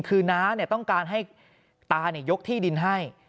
คือน้าต้องการให้ตายกที่ดินให้